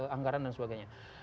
anggaran dan sebagainya